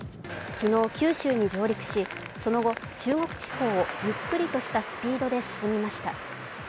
昨日、九州に上陸し、その後中国地方をゆっくりとしたスピードで進みました。